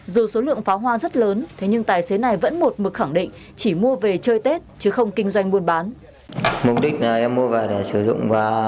dù số lượng pháo hoa rất lớn thế nhưng tài xế này vẫn một mực khẳng định chỉ mua về chơi tết chứ không kinh doanh buôn bán